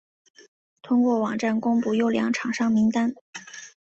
透过网站公布优良厂商名单